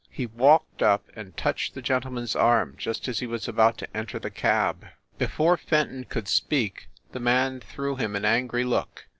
He walked up and touched the gentleman s arm just as he was about to enter the cab. Before Fen ton could speak the man threw him an angry look.